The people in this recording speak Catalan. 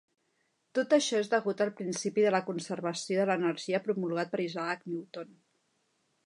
Tot això és degut al Principi de la Conservació de l'Energia promulgat per Isaac Newton.